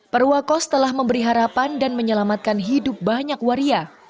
perwakos telah memberi harapan dan menyelamatkan hidup banyak waria